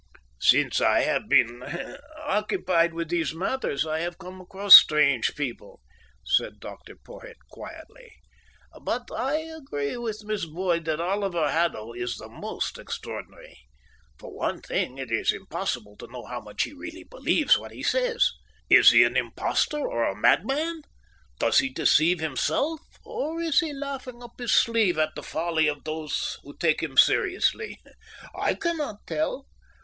"Since I have been occupied with these matters, I have come across strange people," said Dr Porhoët quietly, "but I agree with Miss Boyd that Oliver Haddo is the most extraordinary. For one thing, it is impossible to know how much he really believes what he says. Is he an impostor or a madman? Does he deceive himself, or is he laughing up his sleeve at the folly of those who take him seriously? I cannot tell.